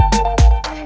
kau mau kemana